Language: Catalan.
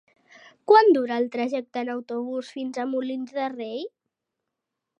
Quant dura el trajecte en autobús fins a Molins de Rei?